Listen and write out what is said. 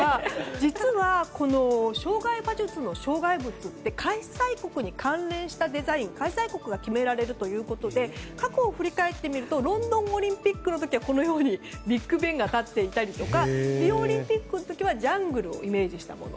実は、この障害馬術の障害物って開催国に関連したデザインを開催国が決められるということで過去を振り返ってみるとロンドンオリンピックの時はビッグベンが立っていたりリオオリンピックの時はジャングルをイメージしたもの。